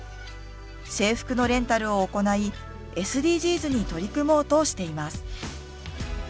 制服のレンタルを行いＳＤＧｓに取り組もうとしています。